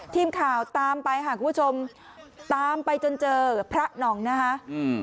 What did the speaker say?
ทีมข่าวตามไปค่ะคุณผู้ชมตามไปจนเจอพระหน่องนะคะอืม